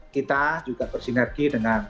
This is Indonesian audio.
kita juga bersinergi